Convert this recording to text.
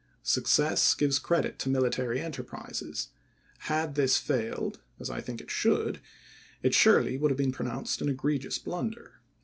Success gives credit to military enterprises ; had this failed, as I think it should, it surely would have been pronounced an egre gious blunder."